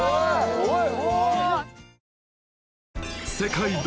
すごい！